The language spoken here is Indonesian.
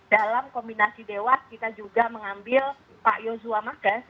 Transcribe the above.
dalam kombinasi dewas kita juga mengambil pak yozua mages